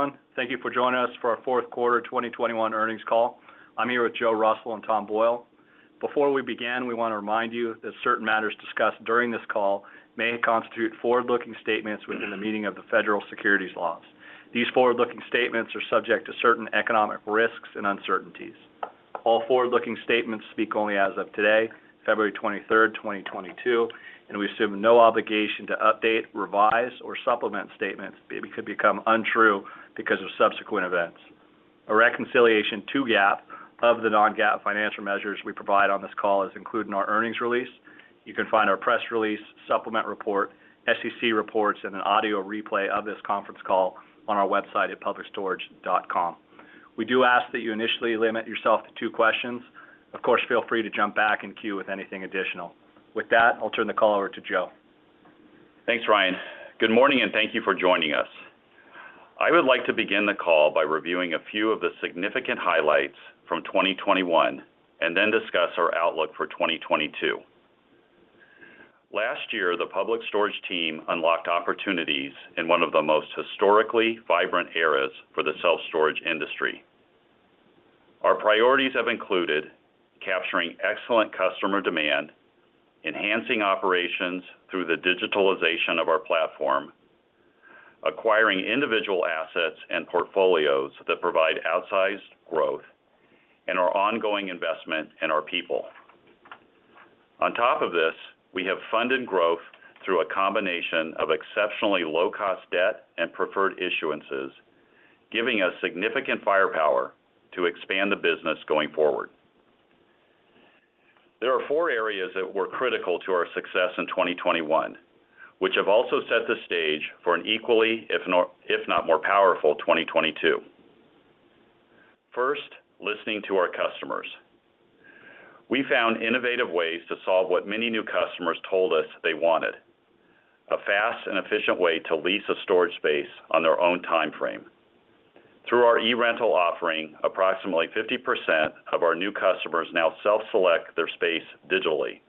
Hello, everyone. Thank you for joining us for our Q4 2021 earnings call. I'm here with Joe Russell and Tom Boyle. Before we begin, we want to remind you that certain matters discussed during this call may constitute forward-looking statements within the meaning of the federal securities laws. These forward-looking statements are subject to certain economic risks and uncertainties. All forward-looking statements speak only as of today, 23 February, 2022, and we assume no obligation to update, revise, or supplement statements that could become untrue because of subsequent events. A reconciliation to GAAP of the non-GAAP financial measures we provide on this call is included in our earnings release. You can find our press release, supplement report, SEC reports, and an audio replay of this conference call on our website at publicstorage.com. We do ask that you initially limit yourself to two questions. Of course, feel free to jump back in queue with anything additional. With that, I'll turn the call over to Joe. Thanks, Ryan. Good morning, and thank you for joining us. I would like to begin the call by reviewing a few of the significant highlights from 2021 and then discuss our outlook for 2022. Last year, the Public Storage team unlocked opportunities in one of the most historically vibrant eras for the self-storage industry. Our priorities have included capturing excellent customer demand, enhancing operations through the digitalization of our platform, acquiring individual assets and portfolios that provide outsized growth, and our ongoing investment in our people. On top of this, we have funded growth through a combination of exceptionally low-cost debt and preferred issuances, giving us significant firepower to expand the business going forward. There are four areas that were critical to our success in 2021, which have also set the stage for an equally, if not more powerful, 2022. First, listening to our customers. We found innovative ways to solve what many new customers told us they wanted, a fast and efficient way to lease a storage space on their own timeframe. Through our eRental offering, approximately 50% of our new customers now self-select their space digitally.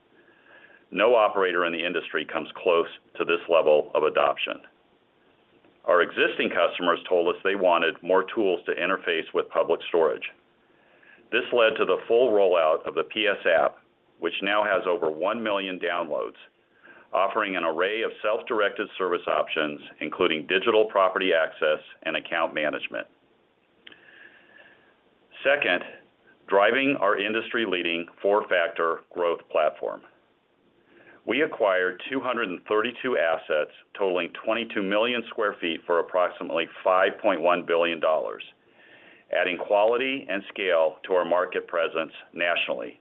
No operator in the industry comes close to this level of adoption. Our existing customers told us they wanted more tools to interface with Public Storage. This led to the full rollout of the PS App, which now has over 1 million downloads, offering an array of self-directed service options, including digital property access and account management. Second, driving our industry-leading four-factor growth platform. We acquired 232 assets totaling 22 million sq ft for approximately $5.1 billion, adding quality and scale to our market presence nationally.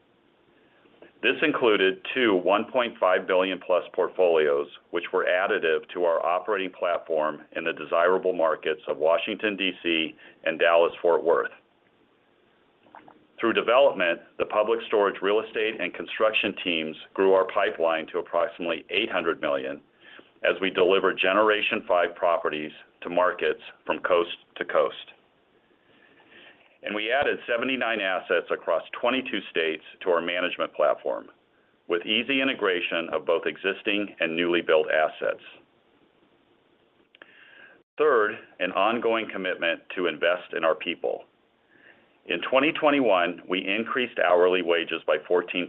This included two $1.5 billion+ portfolios, which were additive to our operating platform in the desirable markets of Washington, D.C. and Dallas-Fort Worth. Through development, the Public Storage real estate and construction teams grew our pipeline to approximately $800 million as we deliver Generation Five properties to markets from coast to coast. We added 79 assets across 22 states to our management platform with easy integration of both existing and newly built assets. Third, an ongoing commitment to invest in our people. In 2021, we increased hourly wages by 14%.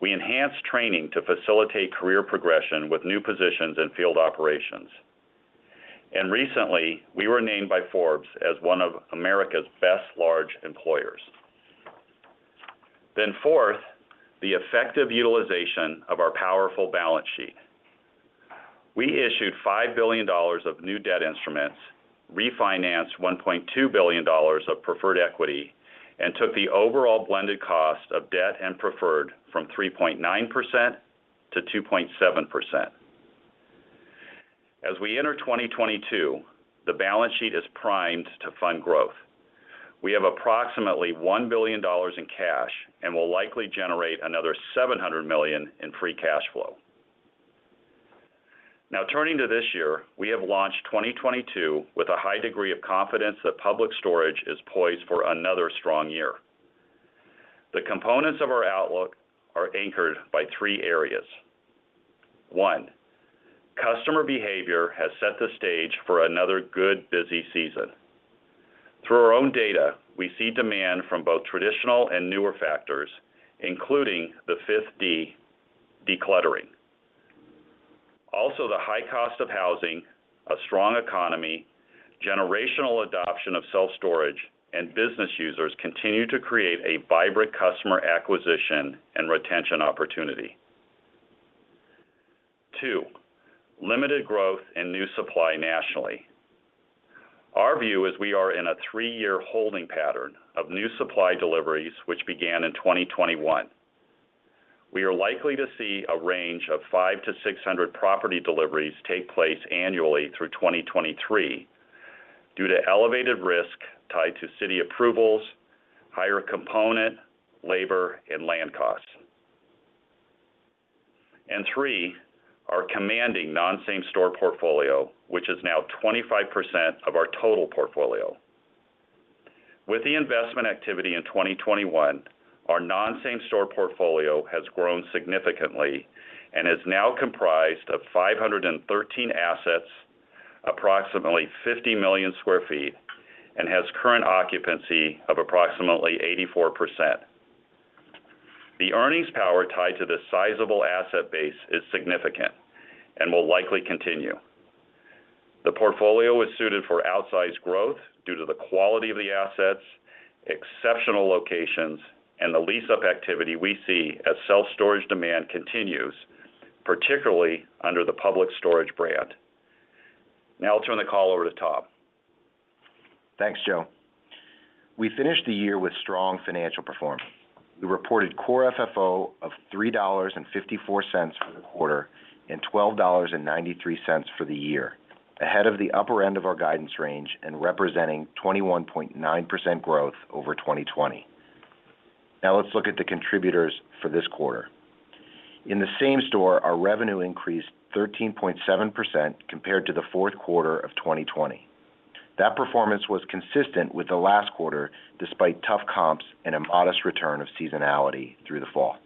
We enhanced training to facilitate career progression with new positions in field operations. Recently, we were named by Forbes as one of America's best large employers. Fourth, the effective utilization of our powerful balance sheet. We issued $5 billion of new debt instruments, refinanced $1.2 billion of preferred equity, and took the overall blended cost of debt and preferred from 3.9% to 2.7%. As we enter 2022, the balance sheet is primed to fund growth. We have approximately $1 billion in cash and will likely generate another $700 million in free cash flow. Now turning to this year, we have launched 2022 with a high degree of confidence that Public Storage is poised for another strong year. The components of our outlook are anchored by three areas. One, customer behavior has set the stage for another good, busy season. Through our own data, we see demand from both traditional and newer factors, including the fifth D, decluttering. Also, the high cost of housing, a strong economy, generational adoption of self-storage, and business users continue to create a vibrant customer acquisition and retention opportunity. Two, limited growth and new supply nationally. Our view is we are in a three-year holding pattern of new supply deliveries which began in 2021. We are likely to see a range of 500-600 property deliveries take place annually through 2023 due to elevated risk tied to city approvals, higher component, labor, and land costs. Three, our commanding non-same store portfolio, which is now 25% of our total portfolio. With the investment activity in 2021, our non-same store portfolio has grown significantly and is now comprised of 513 assets, approximately 50 million sq ft, and has current occupancy of approximately 84%. The earnings power tied to this sizable asset base is significant and will likely continue. The portfolio is suited for outsized growth due to the quality of the assets, exceptional locations, and the lease-up activity we see as self-storage demand continues, particularly under the Public Storage brand. Now I'll turn the call over to Tom. Thanks, Joe. We finished the year with strong financial performance. We reported core FFO of $3.54 for the quarter and $12.93 for the year, ahead of the upper end of our guidance range and representing 21.9% growth over 2020. Now let's look at the contributors for this quarter. In the same store, our revenue increased 13.7% compared to the Q4 of 2020. That performance was consistent with the last quarter despite tough comps and a modest return of seasonality through the fall.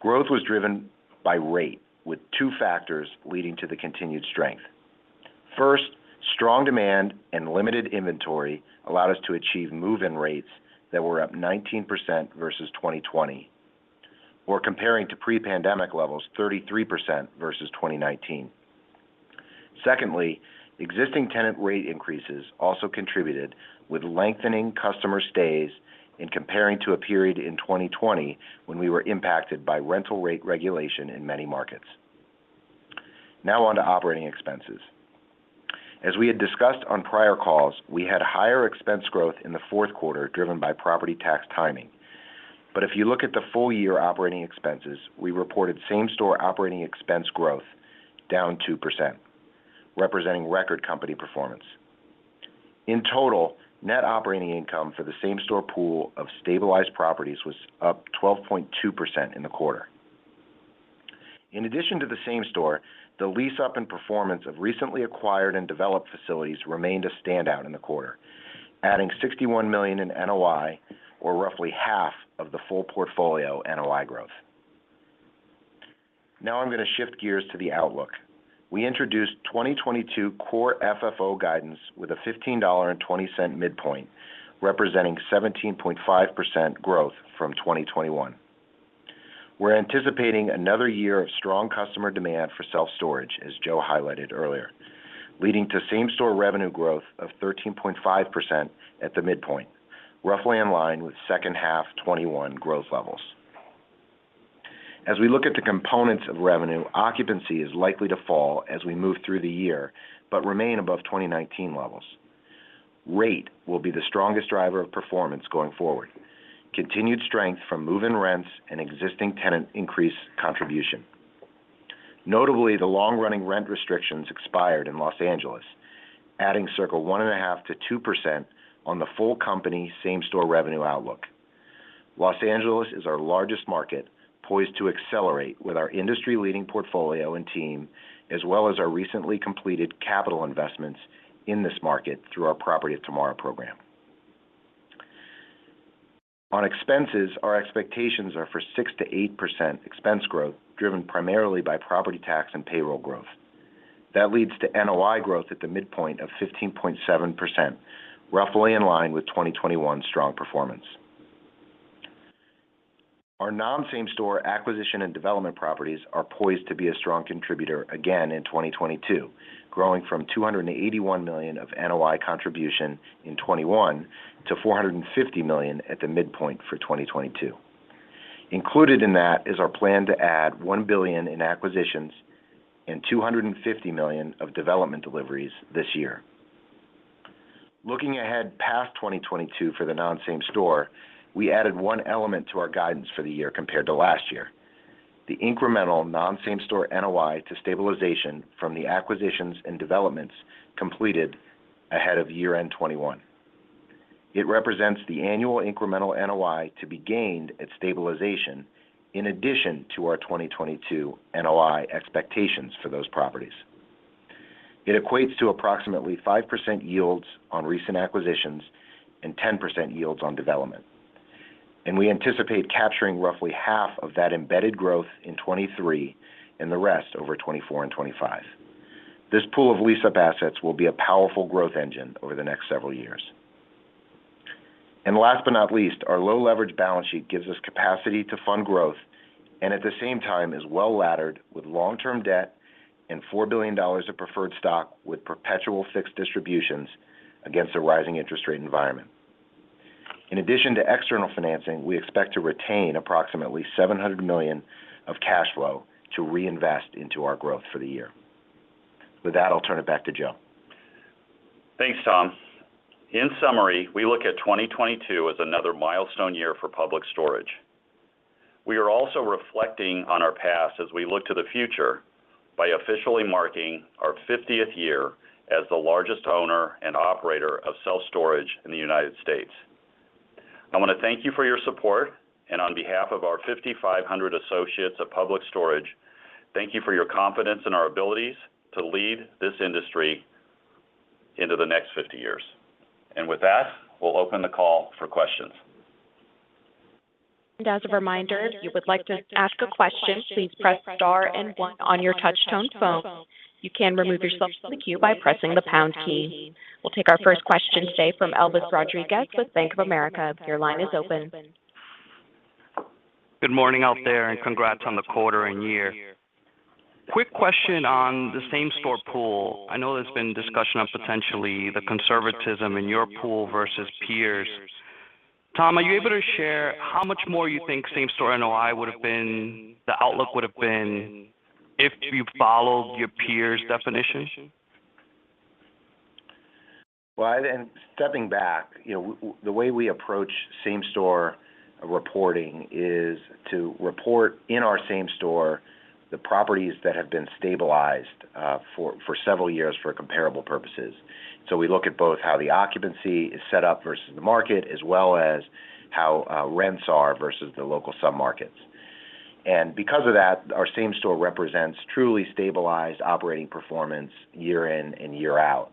Growth was driven by rate, with two factors leading to the continued strength. First, strong demand and limited inventory allowed us to achieve move-in rates that were up 19% versus 2020. We're comparing to pre-pandemic levels 33% versus 2019. Secondly, existing tenant rate increases also contributed with lengthening customer stays in comparison to a period in 2020 when we were impacted by rental rate regulation in many markets. Now on to operating expenses. As we had discussed on prior calls, we had higher expense growth in the Q4 driven by property tax timing. If you look at the full year operating expenses, we reported same-store operating expense growth down 2%, representing record company performance. In total, net operating income for the same-store pool of stabilized properties was up 12.2% in the quarter. In addition to the same-store, the lease-up and performance of recently acquired and developed facilities remained a standout in the quarter, adding $61 million in NOI, or roughly half of the full portfolio NOI growth. Now I'm gonna shift gears to the outlook. We introduced 2022 core FFO guidance with a $15.20 midpoint, representing 17.5% growth from 2021. We're anticipating another year of strong customer demand for self-storage, as Joe highlighted earlier, leading to same-store revenue growth of 13.5% at the midpoint, roughly in line with second half 2021 growth levels. As we look at the components of revenue, occupancy is likely to fall as we move through the year, but remain above 2019 levels. Rate will be the strongest driver of performance going forward, continued strength from move-in rents and existing tenant increase contribution. Notably, the long-running rent restrictions expired in Los Angeles, adding circa 1.5% to 2% on the full company same-store revenue outlook. Los Angeles is our largest market, poised to accelerate with our industry-leading portfolio and team as well as our recently completed capital investments in this market through our Property of Tomorrow program. On expenses, our expectations are for 6%-8% expense growth, driven primarily by property tax and payroll growth. That leads to NOI growth at the midpoint of 15.7%, roughly in line with 2021 strong performance. Our non-same store acquisition and development properties are poised to be a strong contributor again in 2022, growing from $281 million of NOI contribution in 2021 to $450 million at the midpoint for 2022. Included in that is our plan to add $1 billion in acquisitions and $250 million of development deliveries this year. Looking ahead past 2022 for the non-same store, we added one element to our guidance for the year compared to last year: the incremental non-same store NOI to stabilization from the acquisitions and developments completed ahead of year-end 2021. It represents the annual incremental NOI to be gained at stabilization in addition to our 2022 NOI expectations for those properties. It equates to approximately 5% yields on recent acquisitions and 10% yields on development. We anticipate capturing roughly half of that embedded growth in 2023 and the rest over 2024 and 2025. This pool of lease-up assets will be a powerful growth engine over the next several years. Last but not least, our low leverage balance sheet gives us capacity to fund growth and at the same time is well-laddered with long-term debt and $4 billion of preferred stock with perpetual fixed distributions against a rising interest rate environment. In addition to external financing, we expect to retain approximately $700 million of cash flow to reinvest into our growth for the year. With that, I'll turn it back to Joe. Thanks, Tom. In summary, we look at 2022 as another milestone year for Public Storage. We are also reflecting on our past as we look to the future by officially marking our fiftieth year as the largest owner and operator of self-storage in the United States. I want to thank you for your support, and on behalf of our 5,500 associates of Public Storage, thank you for your confidence in our abilities to lead this industry into the next 50 years. With that, we'll open the call for questions. As a reminder, if you would like to ask a question, please press star and one on your touch-tone phone. You can remove yourself from the queue by pressing the pound key. We'll take our first question today from Elvis Rodriguez with Bank of America. Your line is open. Good morning out there, and congrats on the quarter and year. Quick question on the same-store pool. I know there's been discussion of potentially the conservatism in your pool versus peers. Tom, are you able to share how much more you think same-store NOI would have been, the outlook would have been if you followed your peers' definition? Well, stepping back, you know, the way we approach same-store reporting is to report in our same store the properties that have been stabilized for several years for comparable purposes. We look at both how the occupancy is set up versus the market, as well as how rents are versus the local submarkets. Because of that, our same store represents truly stabilized operating performance year in and year out.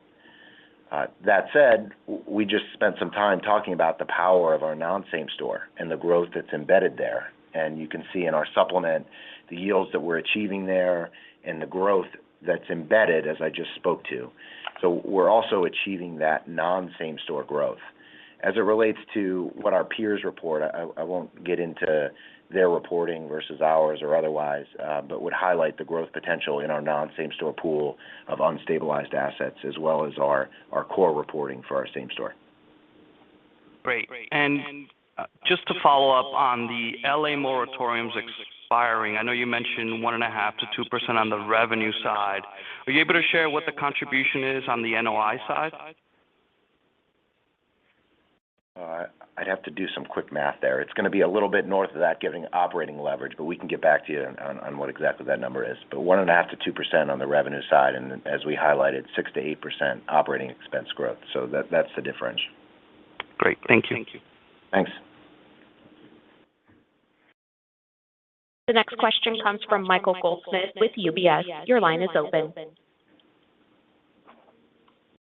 That said, we just spent some time talking about the power of our non-same store and the growth that's embedded there. You can see in our supplement the yields that we're achieving there and the growth that's embedded, as I just spoke to. We're also achieving that non-same store growth. As it relates to what our peers report, I won't get into their reporting versus ours or otherwise, but would highlight the growth potential in our non-same store pool of unstabilized assets as well as our core reporting for our same store. Great. Just to follow up on the L.A. moratoriums expiring, I know you mentioned 1.5% to 2% on the revenue side. Are you able to share what the contribution is on the NOI side? I'd have to do some quick math there. It's gonna be a little bit north of that giving operating leverage, but we can get back to you on what exactly that number is. 1.5% to 2% on the revenue side, and as we highlighted, 6% to 8% operating expense growth. That's the differential. Great. Thank you. Thanks. The next question comes from Michael Goldsmith with UBS. Your line is open.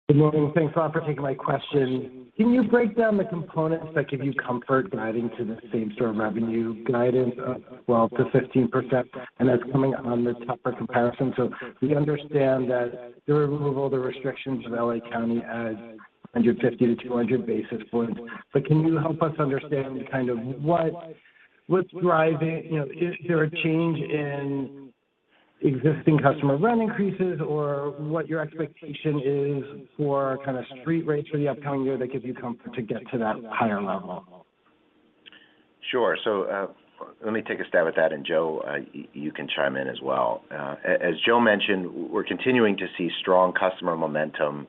Good morning. Thanks a lot for taking my question. Can you break down the components that give you comfort guiding to the same-store revenue guidance of 12% to 15%? That's coming on the tougher comparison. We understand that the removal of the restrictions in L.A. County adds 150 basis points to 200 basis points. Can you help us understand kind of what's driving. You know, is there a change in existing customer rent increases or what your expectation is for kind of street rates for the upcoming year that gives you comfort to get to that higher level? Sure. Let me take a stab at that, and Joe, you can chime in as well. As Joe mentioned, we're continuing to see strong customer momentum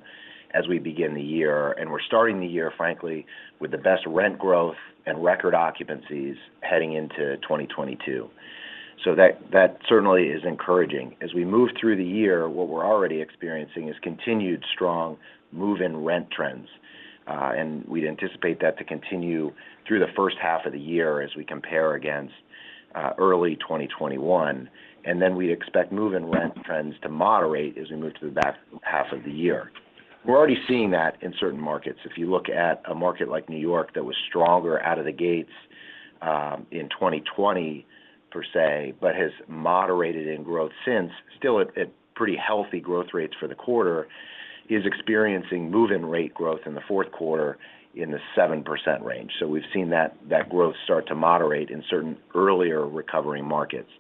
as we begin the year, and we're starting the year, frankly, with the best rent growth and record occupancies heading into 2022. That certainly is encouraging. As we move through the year, what we're already experiencing is continued strong move-in rent trends. We'd anticipate that to continue through the first half of the year as we compare against early 2021. We'd expect move-in rent trends to moderate as we move to the back half of the year. We're already seeing that in certain markets. If you look at a market like New York that was stronger out of the gates in 2020 per se, but has moderated in growth since, still at pretty healthy growth rates for the quarter, is experiencing move-in rate growth in the Q4 in the 7% range. We've seen that growth start to moderate in certain earlier recovering markets.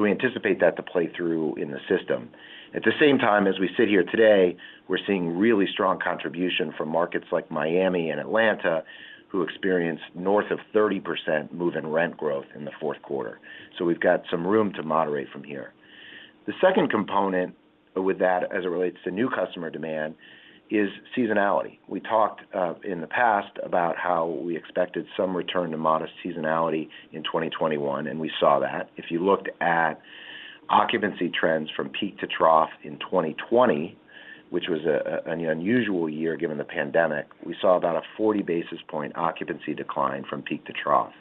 We anticipate that to play through in the system. At the same time, as we sit here today, we're seeing really strong contribution from markets like Miami and Atlanta, who experienced north of 30% move-in rent growth in the Q4. We've got some room to moderate from here. The second component with that, as it relates to new customer demand, is seasonality. We talked in the past about how we expected some return to modest seasonality in 2021, and we saw that. If you looked at occupancy trends from peak to trough in 2020, which was an unusual year given the pandemic, we saw about a 40 basis point occupancy decline from peak to trough.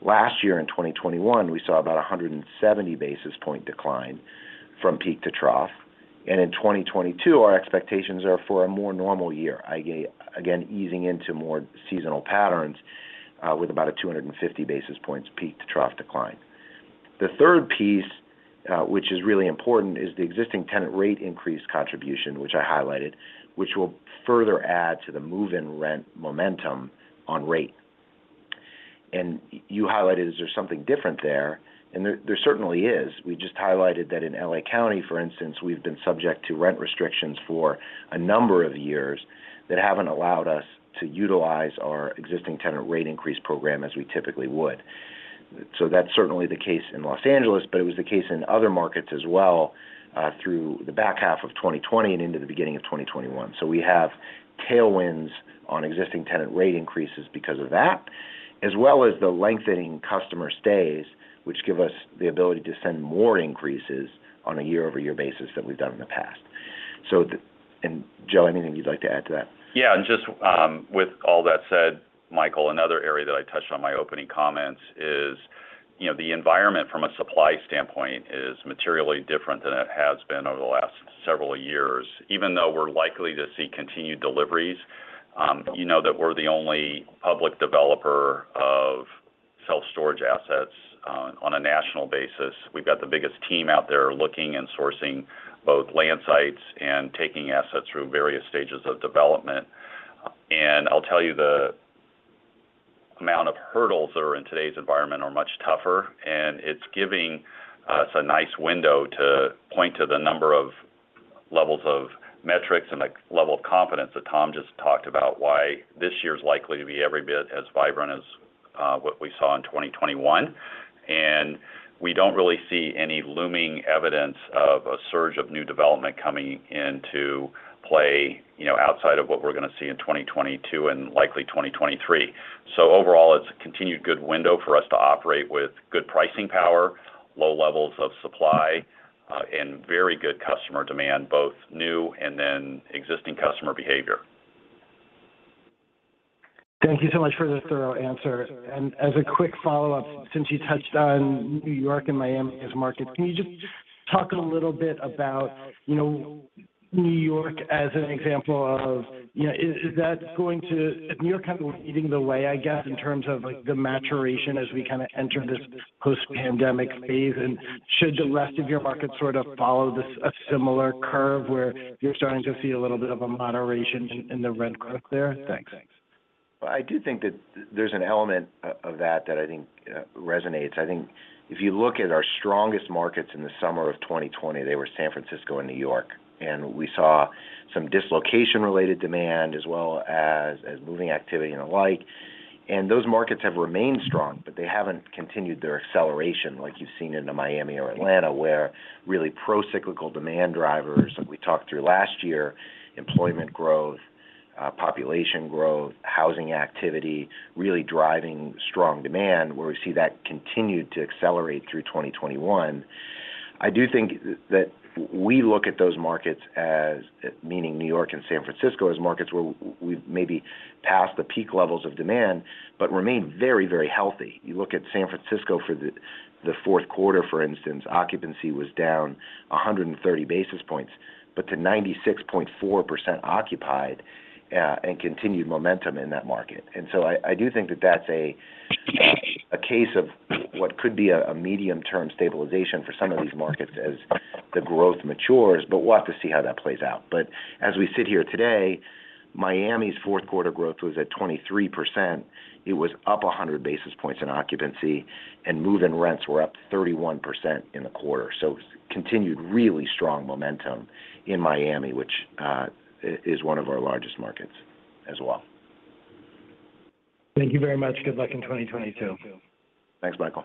Last year in 2021, we saw about a 170 basis point decline from peak to trough. In 2022, our expectations are for a more normal year, again, easing into more seasonal patterns, with about a 250 basis points peak to trough decline. The third piece, which is really important, is the existing tenant rate increase contribution, which I highlighted, which will further add to the move-in rent momentum on rate. You highlighted, is there something different there? And there certainly is. We just highlighted that in L.A. County, for instance, we've been subject to rent restrictions for a number of years that haven't allowed us to utilize our existing tenant rate increase program as we typically would. That's certainly the case in Los Angeles, but it was the case in other markets as well through the back half of 2020 and into the beginning of 2021. We have tailwinds on existing tenant rate increases because of that, as well as the lengthening customer stays, which give us the ability to send more increases on a year-over-year basis than we've done in the past. Joe, anything you'd like to add to that? Yeah. Just, with all that said, Michael, another area that I touched on in my opening comments is, you know, the environment from a supply standpoint is materially different than it has been over the last several years. Even though we're likely to see continued deliveries, you know that we're the only public developer of self-storage assets on a national basis. We've got the biggest team out there looking and sourcing both land sites and taking assets through various stages of development. I'll tell you the amount of hurdles that are in today's environment are much tougher, and it's giving us a nice window to point to the number of levels of metrics and the level of confidence that Tom just talked about, why this year is likely to be every bit as vibrant as what we saw in 2021. We don't really see any looming evidence of a surge of new development coming into play, you know, outside of what we're gonna see in 2022 and likely 2023. Overall, it's a continued good window for us to operate with good pricing power, low levels of supply, and very good customer demand, both new and then existing customer behavior. Thank you so much for the thorough answer. As a quick follow-up, since you touched on New York and Miami as markets, can you just talk a little bit about, you know, New York as an example of, you know, Is New York kind of leading the way, I guess, in terms of, like, the maturation as we kind of enter this post-pandemic phase? Should the rest of your markets sort of follow this, a similar curve, where you're starting to see a little bit of a moderation in the rent growth there? Thanks. I do think that there's an element of that I think resonates. I think if you look at our strongest markets in the summer of 2020, they were San Francisco and New York. We saw some dislocation-related demand, as well as moving activity and the like. Those markets have remained strong, but they haven't continued their acceleration like you've seen in Miami or Atlanta, where really pro-cyclical demand drivers that we talked through last year, employment growth, population growth, housing activity, really driving strong demand, where we see that continued to accelerate through 2021. I do think that we look at those markets as, meaning New York and San Francisco, as markets where we've maybe passed the peak levels of demand but remain very, very healthy. You look at San Francisco for the Q4, for instance, occupancy was down 130 basis points, but to 96.4% occupied, and continued momentum in that market. I do think that that's a case of what could be a medium-term stabilization for some of these markets as the growth matures, but we'll have to see how that plays out. As we sit here today, Miami's Q4 growth was at 23%. It was up 100 basis points in occupancy, and move-in rents were up 31% in the quarter. Continued really strong momentum in Miami, which is one of our largest markets as well. Thank you very much. Good luck in 2022. Thanks, Michael.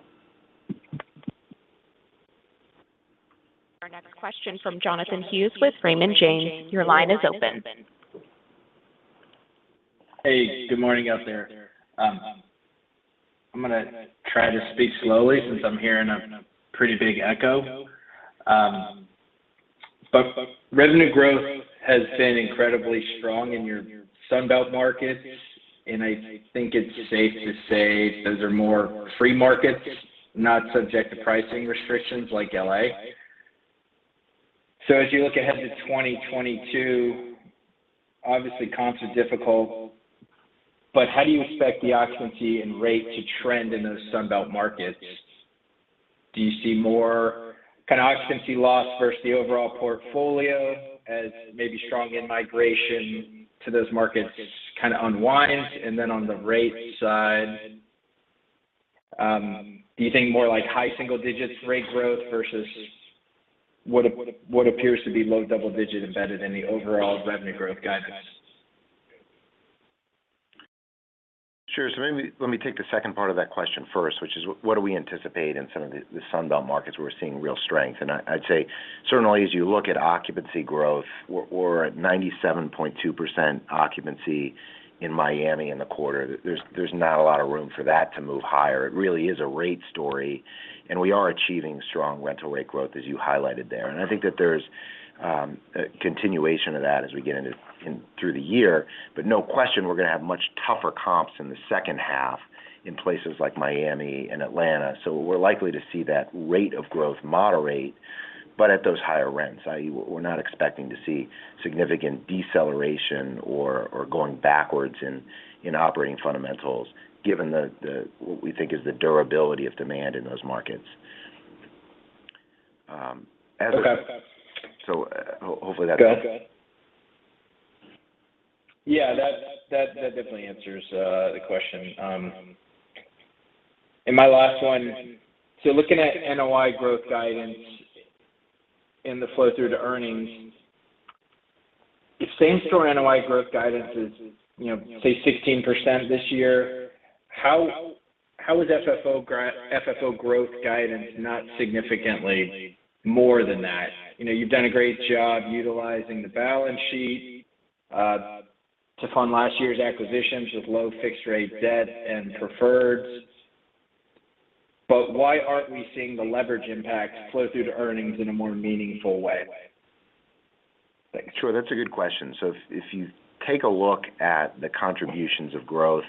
Our next question from Jonathan Hughes with Raymond James. Your line is open. Hey, good morning out there. I'm gonna try to speak slowly since I'm hearing a pretty big echo. Revenue growth has been incredibly strong in your Sun Belt markets, and I think it's safe to say those are more free markets, not subject to pricing restrictions like L.A. As you look ahead to 2022, obviously comps are difficult, but how do you expect the occupancy and rate to trend in those Sun Belt markets? Do you see more kind of occupancy loss versus the overall portfolio as maybe strong in-migration to those markets kind of unwinds? And then on the rate side, do you think more like high single-digits rate growth versus what appears to be low double-digit embedded in the overall revenue growth guidance? Sure. Maybe let me take the second part of that question first, which is what do we anticipate in some of the Sun Belt markets where we're seeing real strength? I'd say certainly as you look at occupancy growth, we're at 97.2% occupancy in Miami in the quarter. There's not a lot of room for that to move higher. It really is a rate story, and we are achieving strong rental rate growth, as you highlighted there. I think that there's a continuation of that as we get into through the year. No question, we're gonna have much tougher comps in the second half in places like Miami and Atlanta. We're likely to see that rate of growth moderate, but at those higher rents, i.e. We're not expecting to see significant deceleration or going backwards in operating fundamentals given the what we think is the durability of demand in those markets. Okay. Hopefully that. Go ahead. Yeah, that definitely answers the question. My last one, looking at NOI growth guidance and the flow through to earnings, if same-store NOI growth guidance is, say, 16% this year, how is FFO growth guidance not significantly more than that? You've done a great job utilizing the balance sheet to fund last year's acquisitions with low fixed rate debt and Preferreds. Why aren't we seeing the leverage impact flow through to earnings in a more meaningful way? Sure, that's a good question. If you take a look at the contributions of growth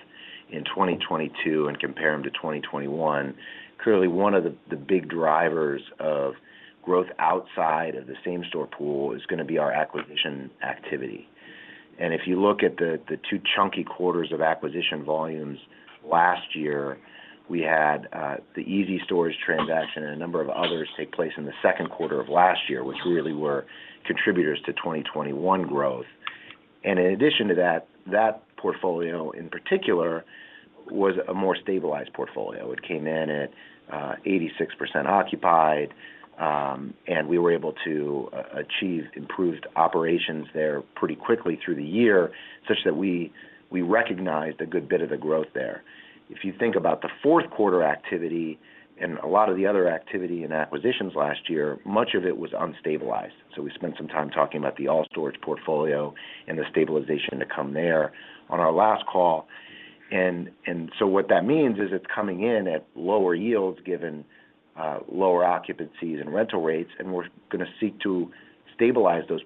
in 2022 and compare them to 2021, clearly one of the big drivers of growth outside of the same-store pool is gonna be our acquisition activity. If you look at the two chunky quarters of acquisition volumes last year, we had the EZ Storage transaction and a number of others take place in the Q2 of last year, which really were contributors to 2021 growth. In addition to that portfolio in particular was a more stabilized portfolio. It came in at 86% occupied, and we were able to achieve improved operations there pretty quickly through the year such that we recognized a good bit of the growth there. If you think about the Q4 activity and a lot of the other activity in acquisitions last year, much of it was unstabilized. We spent some time talking about the All Storage portfolio and the stabilization to come there on our last call. What that means is it's coming in at lower yields given lower occupancies and rental rates, and we're gonna seek to stabilize those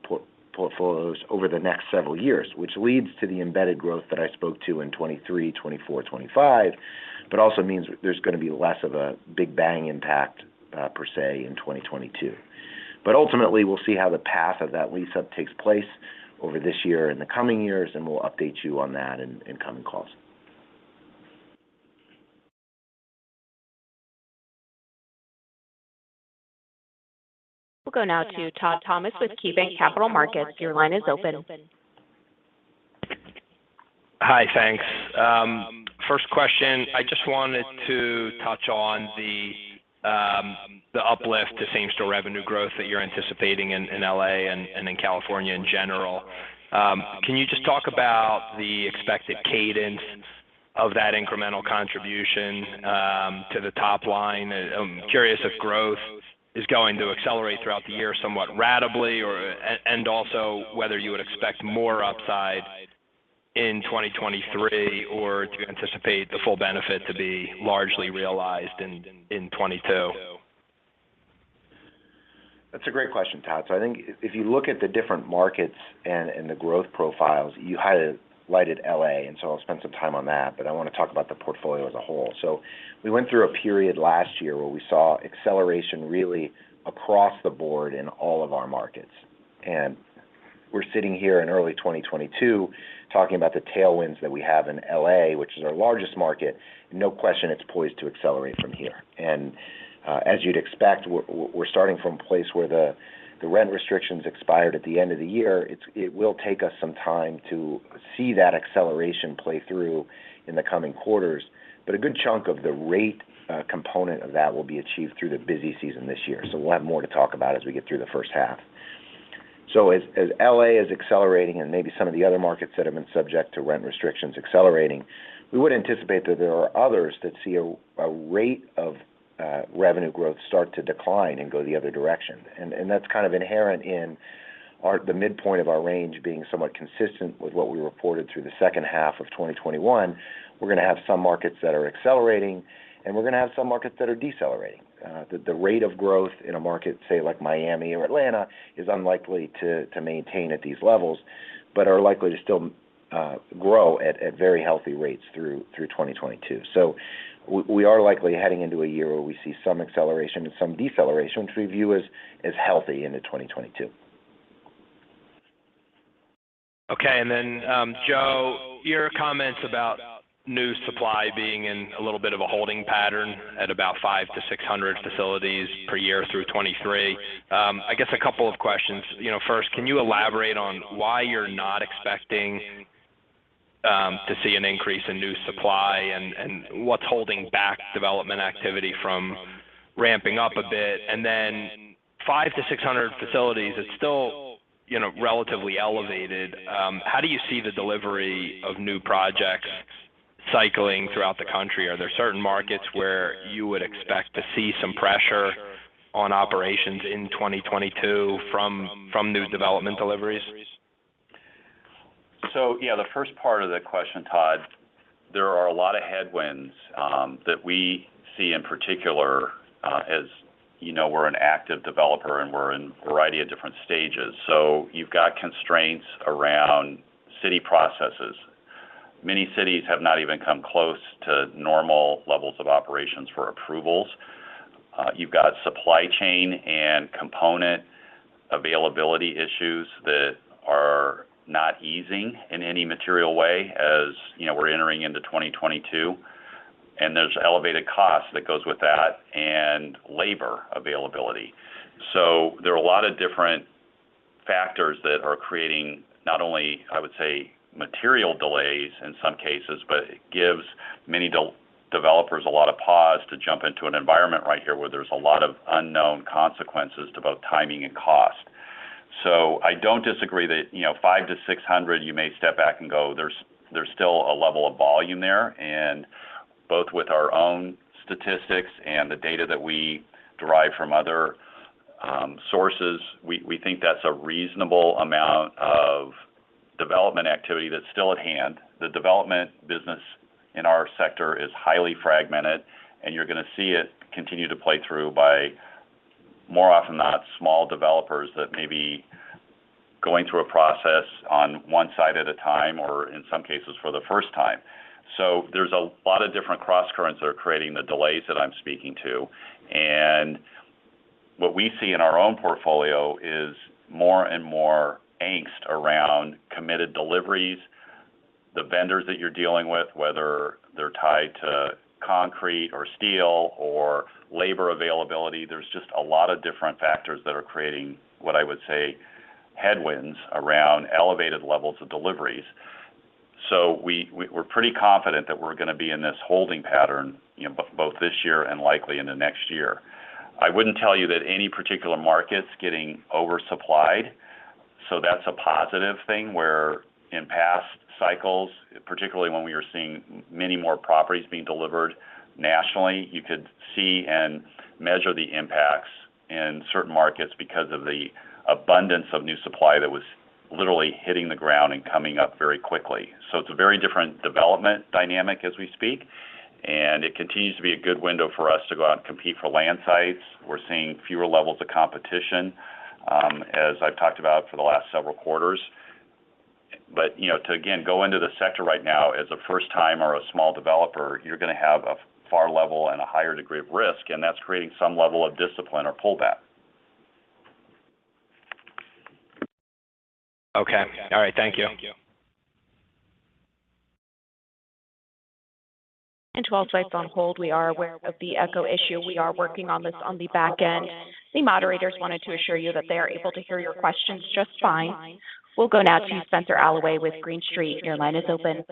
portfolios over the next several years, which leads to the embedded growth that I spoke to in 2023, 2024, 2025, but also means there's gonna be less of a big bang impact, per se in 2022. Ultimately, we'll see how the path of that lease-up takes place over this year and the coming years, and we'll update you on that in coming calls. We'll go now to Todd Thomas with KeyBanc Capital Markets. Your line is open. Hi, thanks. First question, I just wanted to touch on the uplift to same-store revenue growth that you're anticipating in L.A. and in California in general. Can you just talk about the expected cadence of that incremental contribution to the top line? Curious if growth is going to accelerate throughout the year somewhat ratably or also whether you would expect more upside in 2023, or do you anticipate the full benefit to be largely realized in 2022? That's a great question, Todd. I think if you look at the different markets and the growth profiles, you highlighted L.A., and so I'll spend some time on that, but I wanna talk about the portfolio as a whole. We went through a period last year where we saw acceleration really across the board in all of our markets. We're sitting here in early 2022 talking about the tailwinds that we have in L.A., which is our largest market. No question it's poised to accelerate from here. As you'd expect, we're starting from a place where the rent restrictions expired at the end of the year. It will take us some time to see that acceleration play through in the coming quarters. A good chunk of the rate component of that will be achieved through the busy season this year, so we'll have more to talk about as we get through the first half. As L.A. is accelerating and maybe some of the other markets that have been subject to rent restrictions accelerating, we would anticipate that there are others that see a rate of revenue growth start to decline and go the other direction. That's kind of inherent in our the midpoint of our range being somewhat consistent with what we reported through the second half of 2021. We're gonna have some markets that are accelerating, and we're gonna have some markets that are decelerating. The rate of growth in a market, say, like Miami or Atlanta, is unlikely to maintain at these levels, but are likely to still grow at very healthy rates through 2022. We are likely heading into a year where we see some acceleration and some deceleration, which we view as healthy into 2022. Okay. Joe, your comments about new supply being in a little bit of a holding pattern at about 500 to 600 facilities per year through 2023. I guess a couple of questions. You know, first, can you elaborate on why you're not expecting to see an increase in new supply, and what's holding back development activity from ramping up a bit? 500 to 600 facilities is still, you know, relatively elevated. How do you see the delivery of new projects cycling throughout the country? Are there certain markets where you would expect to see some pressure on operations in 2022 from new development deliveries? Yeah, the first part of the question, Todd, there are a lot of headwinds that we see in particular, as you know, we're an active developer, and we're in a variety of different stages. You've got constraints around city processes. Many cities have not even come close to normal levels of operations for approvals. You've got supply chain and component availability issues that are not easing in any material way as, you know, we're entering into 2022, and there's elevated costs that goes with that and labor availability. There are a lot of different factors that are creating not only, I would say, material delays in some cases, but it gives many developers a lot of pause to jump into an environment right here where there's a lot of unknown consequences to both timing and cost. I don't disagree that, you know, 500 to 600, you may step back and go, there's still a level of volume there. Both with our own statistics and the data that we derive from other sources, we think that's a reasonable amount of development activity that's still at hand. The development business in our sector is highly fragmented, and you're gonna see it continue to play through by, more often than not, small developers that may be going through a process on one site at a time, or in some cases for the first time. There's a lot of different crosscurrents that are creating the delays that I'm speaking to. What we see in our own portfolio is more and more angst around committed deliveries. The vendors that you're dealing with, whether they're tied to concrete or steel or labor availability, there's just a lot of different factors that are creating, what I would say, headwinds around elevated levels of deliveries. We're pretty confident that we're gonna be in this holding pattern, you know, both this year and likely into next year. I wouldn't tell you that any particular market's getting oversupplied, so that's a positive thing where in past cycles, particularly when we were seeing many more properties being delivered nationally, you could see and measure the impacts in certain markets because of the abundance of new supply that was literally hitting the ground and coming up very quickly. It's a very different development dynamic as we speak, and it continues to be a good window for us to go out and compete for land sites. We're seeing fewer levels of competition, as I've talked about for the last several quarters. You know, to again go into the sector right now as a first-time or a small developer, you're gonna have a higher level and a higher degree of risk, and that's creating some level of discipline or pullback. Okay. All right. Thank you. To all sites on hold, we are aware of the echo issue. We are working on this on the back end. The moderators wanted to assure you that they are able to hear your questions just fine. We'll go now to Spenser Allaway with Green Street. Your line is open.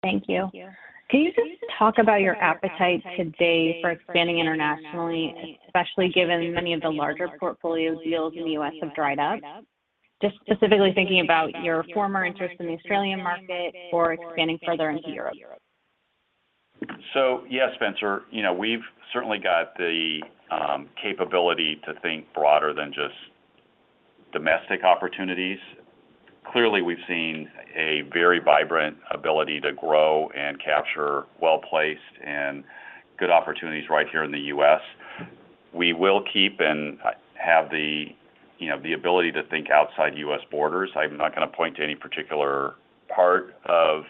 Thank you. Can you just talk about your appetite today for expanding internationally, especially given many of the larger portfolio deals in the US have dried up? Just specifically thinking about your former interest in the Australian market or expanding further into Europe. Yes, Spencer, you know, we've certainly got the capability to think broader than just domestic opportunities. Clearly, we've seen a very vibrant ability to grow and capture well-placed and good opportunities right here in the US We will keep and have the, you know, the ability to think outside US borders. I'm not gonna point to any particular part of,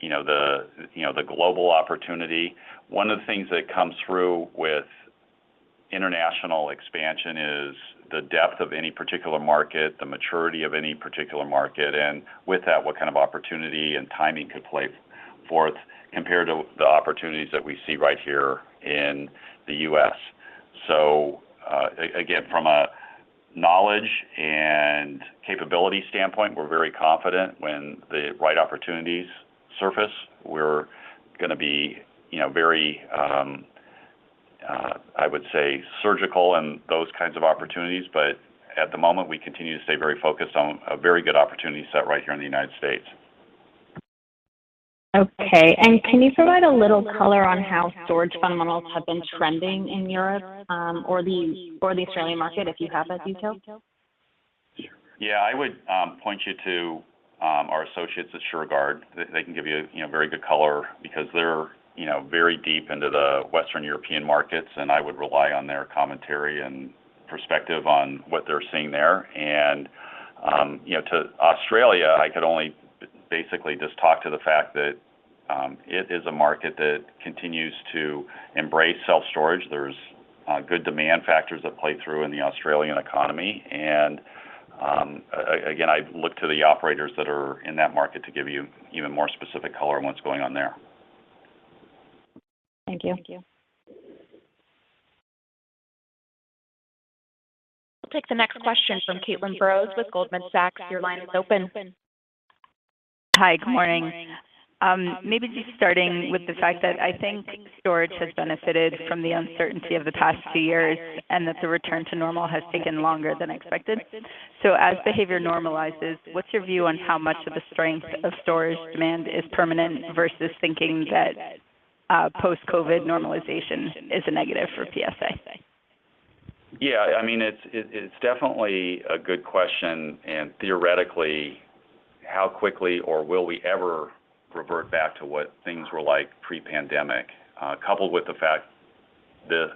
you know, the, you know, the global opportunity. One of the things that comes through with international expansion is the depth of any particular market, the maturity of any particular market, and with that, what kind of opportunity and timing could play forth compared to the opportunities that we see right here in the US. From a knowledge and capability standpoint, we're very confident when the right opportunities surface, we're gonna be, you know, very, I would say, surgical in those kinds of opportunities. At the moment, we continue to stay very focused on a very good opportunity set right here in the United States. Okay. Can you provide a little color on how storage fundamentals have been trending in Europe, or the Australian market, if you have that detail? Yeah. I would point you to our associates at Shurgard. They can give you know, very good color because they're, you know, very deep into the Western European markets, and I would rely on their commentary and perspective on what they're seeing there. You know, to Australia, I could only basically just talk to the fact that it is a market that continues to embrace self-storage. There's good demand factors that play through in the Australian economy. Again, I look to the operators that are in that market to give you even more specific color on what's going on there. Thank you. We'll take the next question from Caitlin Burrows with Goldman Sachs. Your line is open. Hi. Good morning. Maybe just starting with the fact that I think storage has benefited from the uncertainty of the past few years and that the return to normal has taken longer than expected. As behavior normalizes, what's your view on how much of the strength of storage demand is permanent versus thinking that post-COVID normalization is a negative for PSA? Yeah. I mean, it's definitely a good question, and theoretically, how quickly or will we ever revert back to what things were like pre-pandemic, coupled with the fact the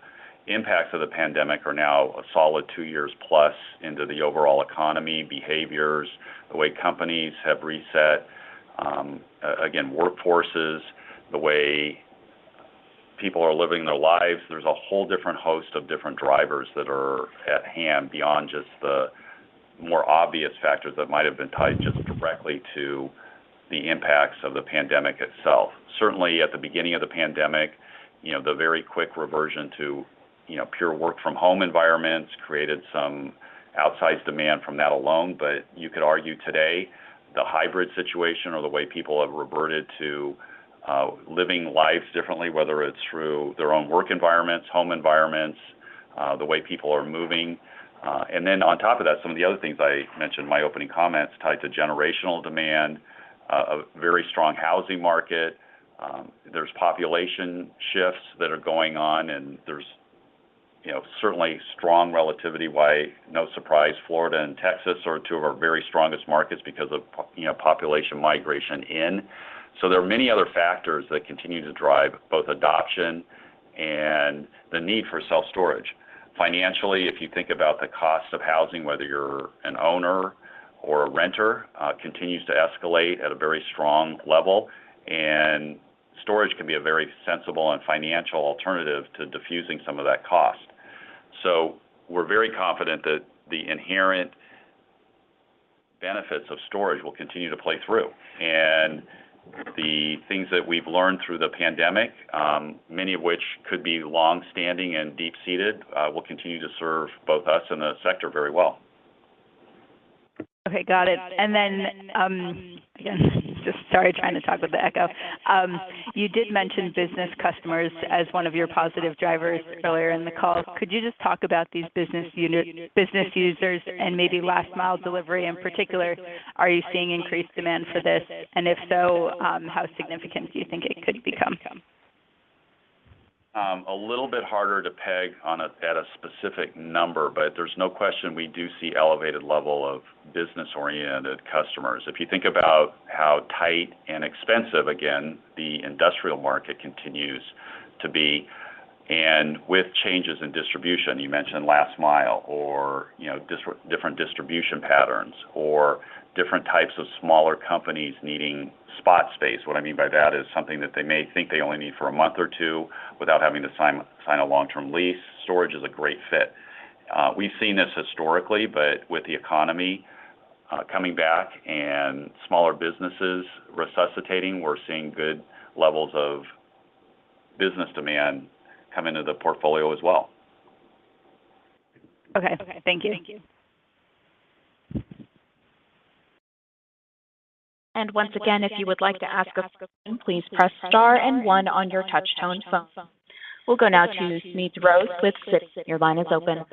impacts of the pandemic are now a solid two years plus into the overall economy, behaviors, the way companies have reset, again, workforces, the way people are living their lives. There's a whole different host of different drivers that are at hand beyond just the more obvious factors that might have been tied just directly to the impacts of the pandemic itself. Certainly, at the beginning of the pandemic, you know, the very quick reversion to, you know, pure work from home environments created some outsized demand from that alone. You could argue today, the hybrid situation or the way people have reverted to living life differently, whether it's through their own work environments, home environments, the way people are moving. Then on top of that, some of the other things I mentioned in my opening comments tied to generational demand, a very strong housing market. There's population shifts that are going on, and there's certainly strong relativity why, no surprise, Florida and Texas are two of our very strongest markets because of population migration in. There are many other factors that continue to drive both adoption and the need for self-storage. Financially, if you think about the cost of housing, whether you're an owner or a renter, continues to escalate at a very strong level, and storage can be a very sensible and financial alternative to diffusing some of that cost. We're very confident that the inherent benefits of storage will continue to play through. The things that we've learned through the pandemic, many of which could be long-standing and deep-seated, will continue to serve both us and the sector very well. Okay, got it. Again, just sorry, trying to talk with the echo. You did mention business customers as one of your positive drivers earlier in the call. Could you just talk about these business users and maybe last mile delivery in particular? Are you seeing increased demand for this? If so, how significant do you think it could become? A little bit harder to peg at a specific number, but there's no question we do see elevated level of business-oriented customers. If you think about how tight and expensive, again, the industrial market continues to be, and with changes in distribution, you mentioned last mile or, you know, different distribution patterns or different types of smaller companies needing spot space. What I mean by that is something that they may think they only need for a month or two without having to sign a long-term lease. Storage is a great fit. We've seen this historically, but with the economy coming back and smaller businesses resuscitating, we're seeing good levels of business demand come into the portfolio as well. Okay. Thank you. Once again, if you would like to ask a question, please press star and one on your touchtone phone. We'll go now to Smedes Rose with Citi. Your line is open.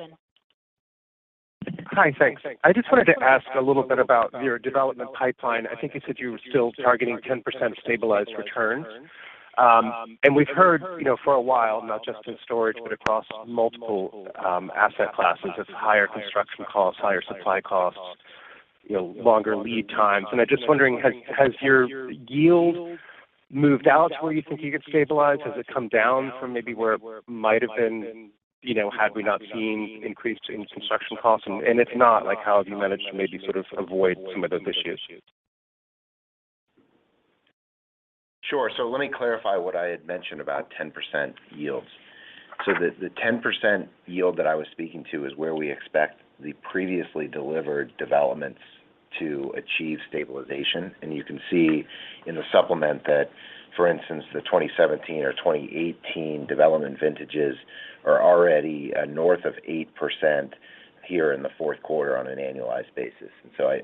Hi. Thanks. I just wanted to ask a little bit about your development pipeline. I think you said you were still targeting 10% stabilized returns. We've heard, you know, for a while, not just in storage, but across multiple asset classes, it's higher construction costs, higher supply costs, you know, longer lead times. I'm just wondering, has your yield moved out to where you think you could stabilize? Has it come down from maybe where it might have been, you know, had we not seen increase in construction costs? If not, like, how have you managed to maybe sort of avoid some of those issues? Sure. Let me clarify what I had mentioned about 10% yields. The 10% yield that I was speaking to is where we expect the previously delivered developments to achieve stabilization. You can see in the supplement that, for instance, the 2017 or 2018 development vintages are already north of 8% here in the Q4 on an annualized basis.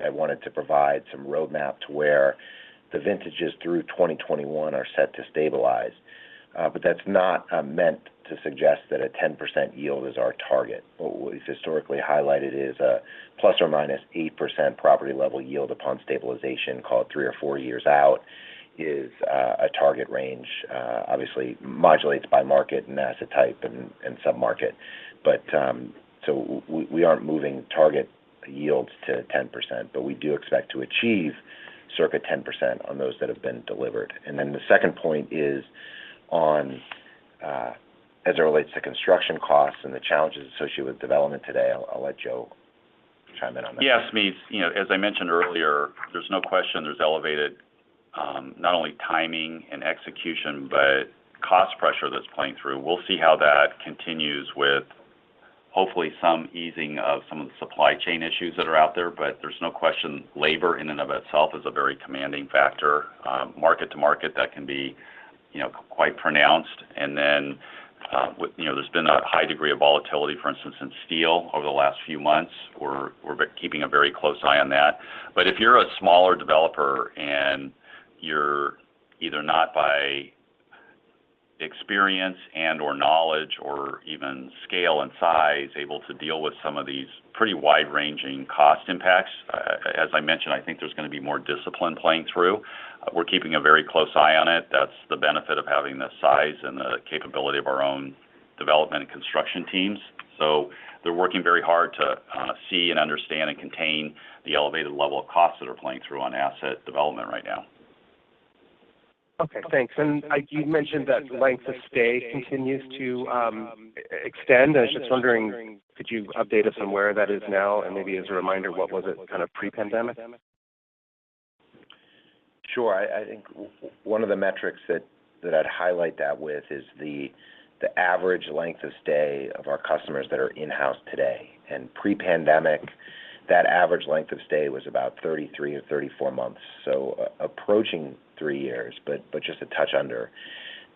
I wanted to provide some roadmap to where the vintages through 2021 are set to stabilize. That's not meant to suggest that a 10% yield is our target. What we've historically highlighted is a ±8% property level yield upon stabilization, call it three or four years out, a target range, obviously modulates by market and asset type and submarket. We aren't moving target yields to 10%, but we do expect to achieve circa 10% on those that have been delivered. The second point is on, as it relates to construction costs and the challenges associated with development today. I'll let Joe chime in on that. Yes, Smedes. You know, as I mentioned earlier, there's no question there's elevated, not only timing and execution, but cost pressure that's playing through. We'll see how that continues with hopefully some easing of some of the supply chain issues that are out there. But there's no question labor in and of itself is a very commanding factor, market to market that can be, you know, quite pronounced. You know, there's been a high degree of volatility, for instance, in steel over the last few months. We're keeping a very close eye on that. If you're a smaller developer and you're either not by experience and or knowledge or even scale and size able to deal with some of these pretty wide-ranging cost impacts, as I mentioned, I think there's going to be more discipline playing through. We're keeping a very close eye on it. That's the benefit of having the size and the capability of our own development and construction teams. They're working very hard to see and understand and contain the elevated level of costs that are playing through on asset development right now. Okay, thanks. You mentioned that length of stay continues to extend. I was just wondering, could you update us on where that is now? Maybe as a reminder, what was it kind of pre-pandemic? Sure. I think one of the metrics that I'd highlight that with is the average length of stay of our customers that are in-house today. Pre-pandemic, that average length of stay was about 33-34 months. Approaching three years, but just a touch under.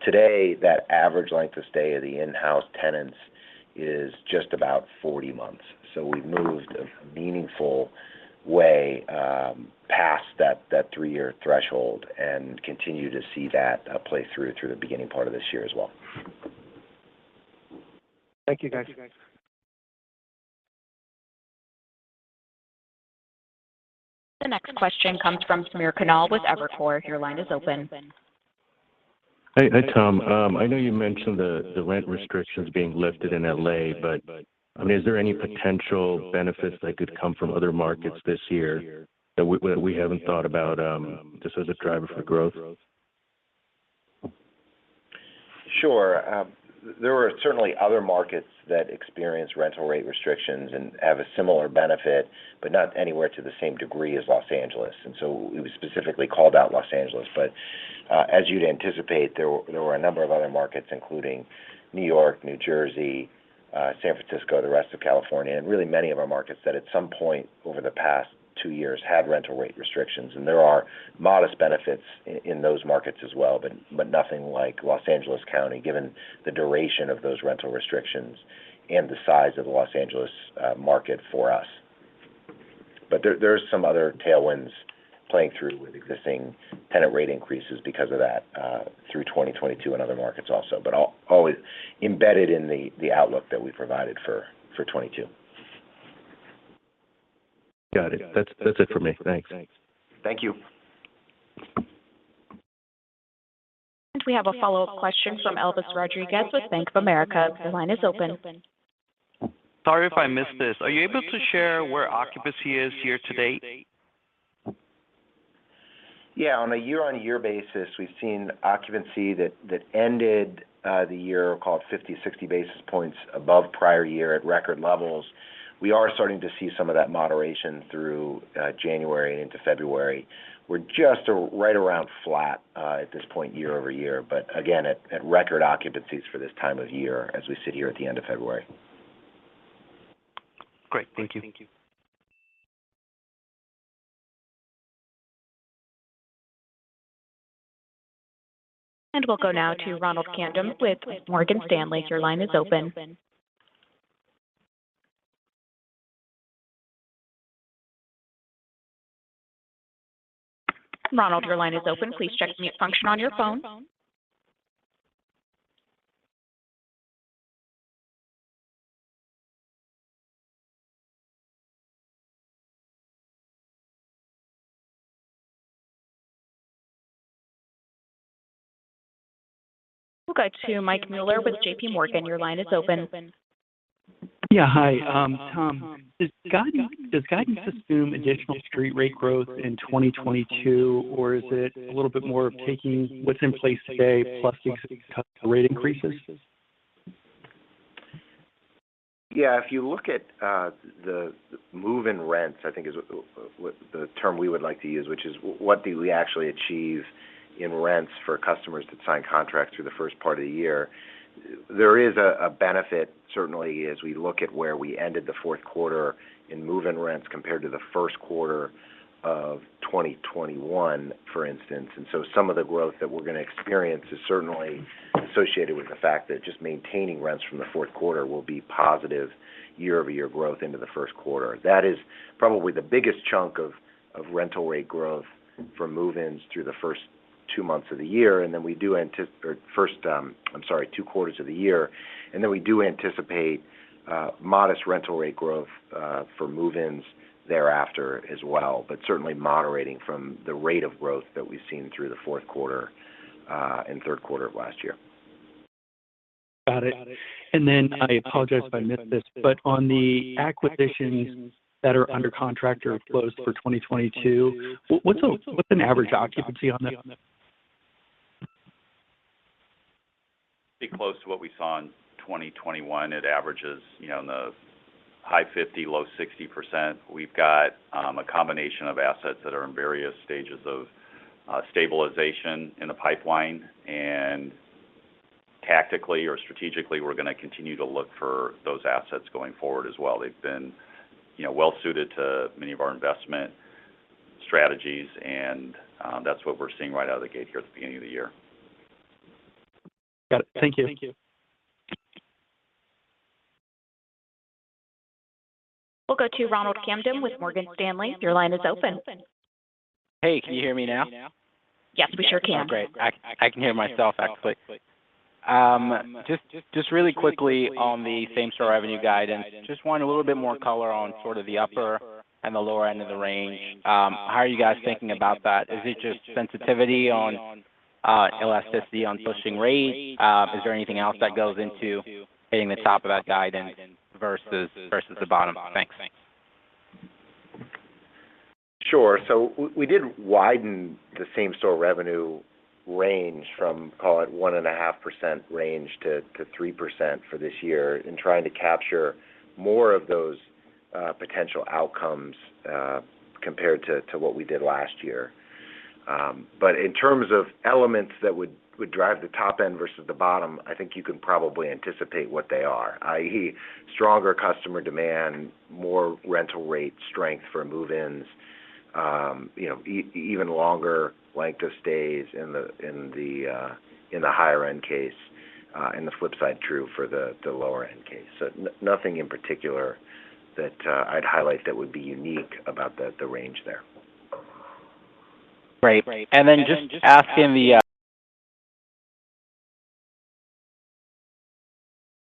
Today, that average length of stay of the in-house tenants is just about 40 months. We've moved a meaningful Way past that three-year threshold and continue to see that play through the beginning part of this year as well. Thank you, guys. The next question comes from Samir Khanal with Evercore. Your line is open. Hey. Hey, Tom. I know you mentioned the rent restrictions being lifted in L.A., but I mean, is there any potential benefits that could come from other markets this year that we haven't thought about, just as a driver for growth? Sure. There are certainly other markets that experience rental rate restrictions and have a similar benefit, but not anywhere to the same degree as Los Angeles, and so we specifically called out Los Angeles. As you'd anticipate, there were a number of other markets, including New York, New Jersey, San Francisco, the rest of California, and really many of our markets that at some point over the past two years had rental rate restrictions. There are modest benefits in those markets as well, but nothing like Los Angeles County, given the duration of those rental restrictions and the size of the Los Angeles market for us. There are some other tailwinds playing through with existing tenant rate increases because of that, through 2022 in other markets also. Always embedded in the outlook that we provided for 2022. Got it. That's it for me. Thanks. Thank you. We have a follow-up question from Elvis Rodriguez with Bank of America. Your line is open. Sorry if I missed this. Are you able to share where occupancy is year to date? Yeah. On a year-over-year basis, we've seen occupancy that ended the year call it 50 basis points to 60 basis points above prior year at record levels. We are starting to see some of that moderation through January into February. We're just right around flat at this point year-over-year, but again, at record occupancies for this time of year as we sit here at the end of February. Great. Thank you. We'll go now to Ronald Kamdem with Morgan Stanley. Your line is open. Ronald, your line is open. Please check the mute function on your phone. We'll go to Michael Mueller with JPMorgan. Your line is open. Yeah. Hi, Tom. Does guidance assume additional street rate growth in 2022, or is it a little bit more of taking what's in place today plus the rate increases? Yeah. If you look at the move-in rents, I think is what the what the term we would like to use, which is what do we actually achieve in rents for customers that sign contracts through the first part of the year, there is a benefit certainly as we look at where we ended the Q4 in move-in rents compared to the Q1 of 2021, for instance. Some of the growth that we're gonna experience is certainly associated with the fact that just maintaining rents from the Q4 will be positive year-over-year growth into the Q1. That is probably the biggest chunk of rental rate growth from move-ins through the first two months of the year. Then we do Anticipate or first. I'm sorry, two quarters of the year, and then we do anticipate modest rental rate growth for move in thereafter as well. Certainly moderating from the rate of growth that we've seen through the Q4 and Q3 of last year. Got it. I apologize if I missed this, but on the acquisitions that are under contract or closed for 2022, what's an average occupancy on that? Be close to what we saw in 2021. It averages, you know, in the high 50s% low 60%. We've got a combination of assets that are in various stages of stabilization in the pipeline, and tactically or strategically, we're gonna continue to look for those assets going forward as well. They've been, you know, well suited to many of our investment strategies, and that's what we're seeing right out of the gate here at the beginning of the year. Got it. Thank you. We'll go to Ronald Kamdem with Morgan Stanley. Your line is open. Hey, can you hear me now? Yes, we sure can. Oh, great. I can hear myself actually. Just really quickly on the same-store revenue guidance, just want a little bit more color on sort of the upper and the lower end of the range. How are you guys thinking about that? Is it just sensitivity on elasticity on pushing rates? Is there anything else that goes into hitting the top of that guidance versus the bottom? Thanks. Sure. We did widen the same-store revenue range from, call it 1.5% range to 3% for this year in trying to capture more of those potential outcomes, compared to what we did last year. In terms of elements that would drive the top end versus the bottom, I think you can probably anticipate what they are, i.e., stronger customer demand, more rental rate strength for move-ins. You know, even longer length of stays in the higher end case, and the flip side true for the lower end case. Nothing in particular that I'd highlight that would be unique about the range there. Right. Just asking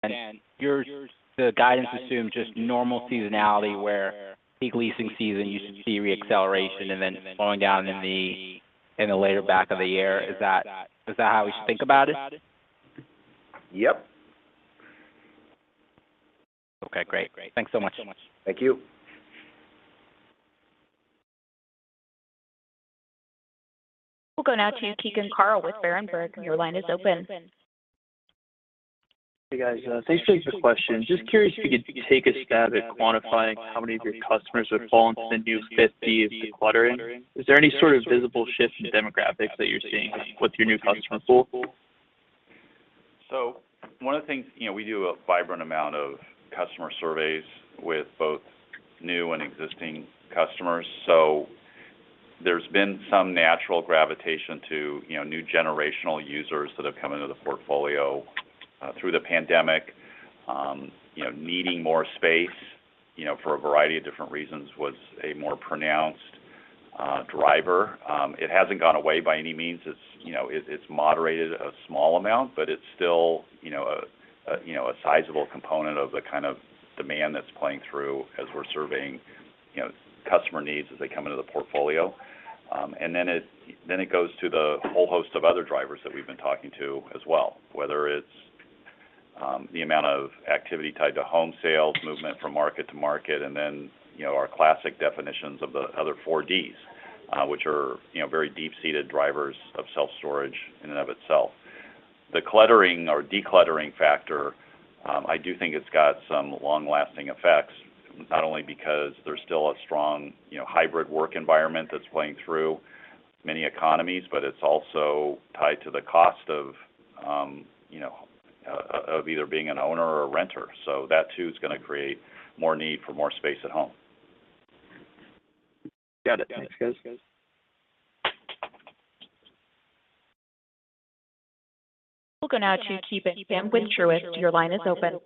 if the guidance assumed just normal seasonality where peak leasing season you should see reacceleration and then slowing down in the latter half of the year. Is that how we should think about it? Yep. Okay, great. Thanks so much. Thank you. We'll go now to Keegan Carl with Berenberg. Your line is open. Hey, guys. Thanks for the question. Just curious if you could take a stab at quantifying how many of your customers would fall into the new fifth D decluttering. Is there any sort of visible shift in demographics that you're seeing with your new customer pool? One of the things, you know, we do a variety of customer surveys with both new and existing customers. There's been some natural gravitation to, you know, new generational users that have come into the portfolio through the pandemic, you know, needing more space, you know, for a variety of different reasons was a more pronounced driver. It hasn't gone away by any means. It's, you know, moderated a small amount, but it's still, you know, a sizable component of the kind of demand that's playing through as we're surveying, you know, customer needs as they come into the portfolio. It goes to the whole host of other drivers that we've been talking to as well, whether it's the amount of activity tied to home sales, movement from market to market, and then, you know, our classic definitions of the other four Ds, which are, you know, very deep-seated drivers of self-storage in and of itself. The cluttering or decluttering factor, I do think it's got some long-lasting effects, not only because there's still a strong, you know, hybrid work environment that's playing through many economies, but it's also tied to the cost of, you know, of either being an owner or a renter. That too is gonna create more need for more space at home. Got it. Thanks, guys. We'll go now to Ki Bin Kim with Truist. Your line is open.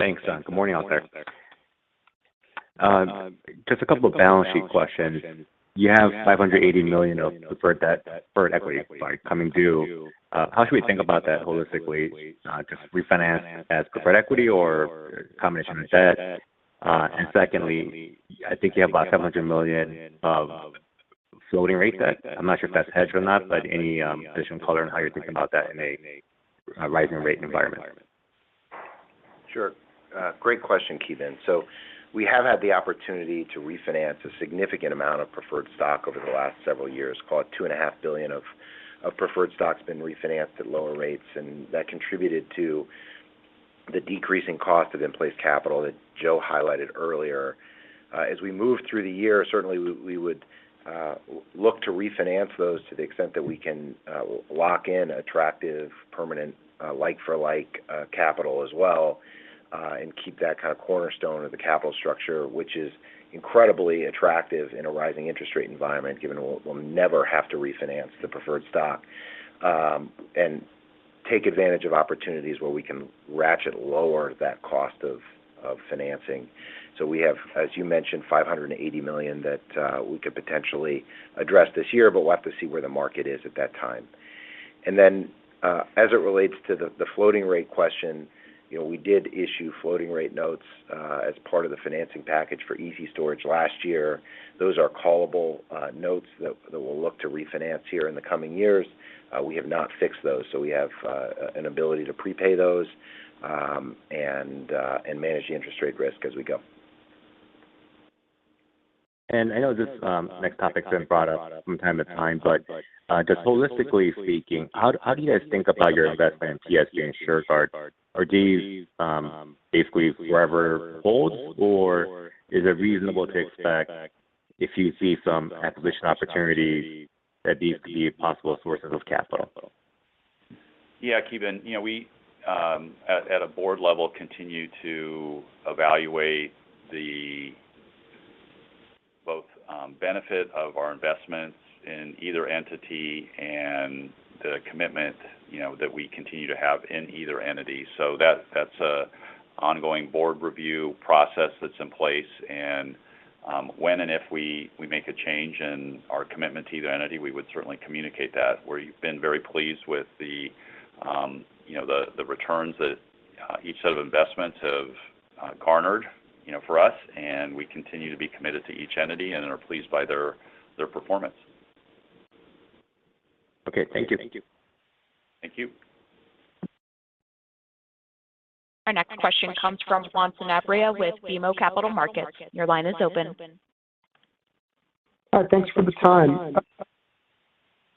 Thanks. Good morning, out there. Just a couple of balance sheet questions. You have $580 million of preferred equity coming due. How should we think about that holistically? Just refinance as preferred equity or combination of debt? And secondly, I think you have about $700 million of floating rate debt. I'm not sure if that's hedged or not, but any additional color on how you're thinking about that in a rising rate environment? Sure. Great question, Keith. We have had the opportunity to refinance a significant amount of preferred stock over the last several years. Call it $2.5 billion of preferred stock has been refinanced at lower rates, and that contributed to the decreasing cost of in-place capital that Joe highlighted earlier. As we move through the year, certainly we would look to refinance those to the extent that we can lock in attractive permanent, like for like, capital as well, and keep that kind of cornerstone of the capital structure, which is incredibly attractive in a rising interest rate environment, given we'll never have to refinance the preferred stock, and take advantage of opportunities where we can ratchet lower that cost of financing. We have, as you mentioned, $580 million that we could potentially address this year, but we'll have to see where the market is at that time. As it relates to the floating rate question, you know, we did issue floating rate notes as part of the financing package for Storage last year. Those are callable notes that we'll look to refinance here in the coming years. We have not fixed those, so we have an ability to prepay those and manage the interest rate risk as we go. I know this next topic's been brought up from time to time, but just holistically speaking, how do you guys think about your investment in TSG and Shurgard? Are these basically forever holds, or is it reasonable to expect if you see some acquisition opportunities that these be possible sources of capital? Yeah. Keith, you know, we at a board level continue to evaluate both the benefit of our investments in either entity and the commitment you know that we continue to have in either entity. That's an ongoing board review process that's in place. When and if we make a change in our commitment to either entity, we would certainly communicate that. We've been very pleased with, you know, the returns that each set of investments have garnered you know for us, and we continue to be committed to each entity and are pleased by their performance. Okay. Thank you. Thank you. Our next question comes from Juan Sanabria with BMO Capital Markets. Your line is open. Hi. Thanks for the time.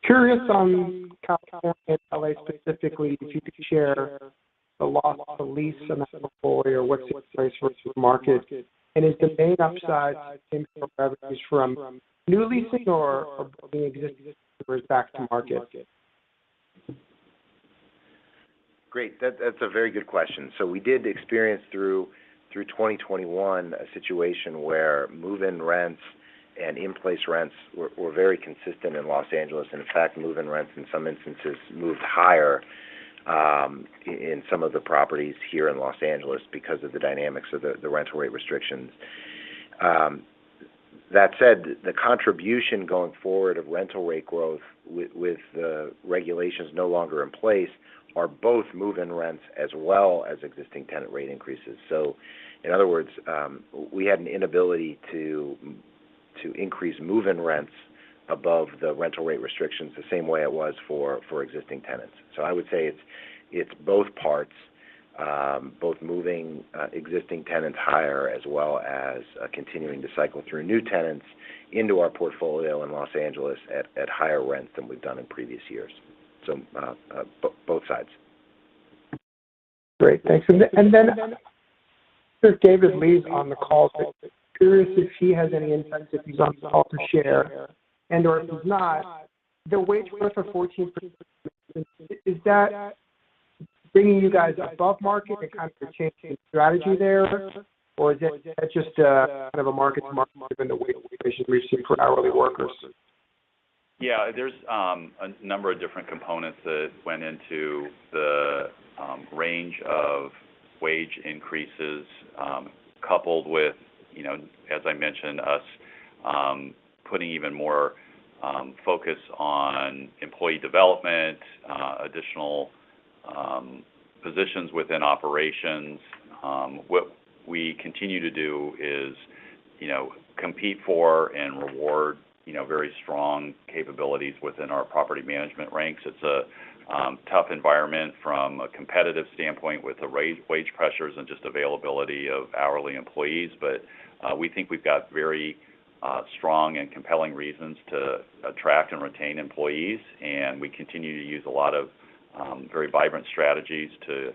Curious on California and L.A. specifically, if you could share the loss to lease amount before or what's the price versus market? Is the main upside in core revenues from new leasing or the existing back to market? Great. That's a very good question. We did experience through 2021 a situation where move-in rents and in-place rents were very consistent in Los Angeles, and in fact, move-in rents in some instances moved higher in some of the properties here in Los Angeles because of the dynamics of the rental rate restrictions. That said, the contribution going forward of rental rate growth with the regulations no longer in place are both move-in rents as well as existing tenant rate increases. In other words, we had an inability to increase move-in rents above the rental rate restrictions the same way it was for existing tenants. I would say it's both parts, both moving existing tenants higher as well as continuing to cycle through new tenants into our portfolio in Los Angeles at higher rents than we've done in previous years. Both sides. Great. Thanks. Then if David Doll's on the call today, I'm curious if he has any insights, if he's on the call, to share, and/or if he's not, the wage growth of 14%, is that bringing you guys above market and kind of changing strategy there? Or is it just, kind of a market-to-market given the wage increase we've seen for hourly workers? Yeah. There's a number of different components that went into the range of wage increases, coupled with, you know, as I mentioned, us putting even more focus on employee development, additional positions within operations. What we continue to do is, you know, compete for and reward, you know, very strong capabilities within our property management ranks. It's a tough environment from a competitive standpoint with the wage pressures and just availability of hourly employees. We think we've got very strong and compelling reasons to attract and retain employees, and we continue to use a lot of very vibrant strategies to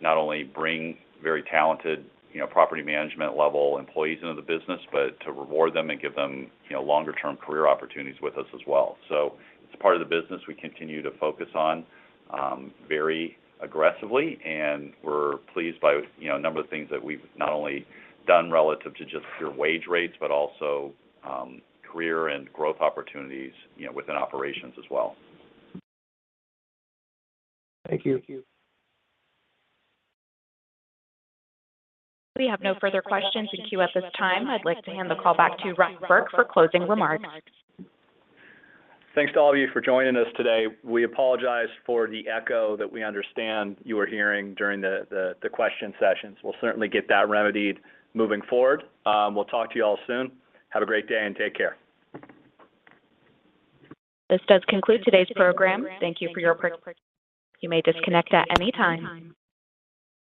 not only bring very talented, you know, property management level employees into the business, but to reward them and give them, you know, longer-term career opportunities with us as well. It's a part of the business we continue to focus on very aggressively, and we're pleased by, you know, a number of things that we've not only done relative to just pure wage rates, but also career and growth opportunities, you know, within operations as well. Thank you. We have no further questions in queue at this time. I'd like to hand the call back to Ryan Burke for closing remarks. Thanks to all of you for joining us today. We apologize for the echo that we understand you are hearing during the question sessions. We'll certainly get that remedied moving forward. We'll talk to you all soon. Have a great day, and take care. This does conclude today's program. Thank you for your participation. You may disconnect at any time.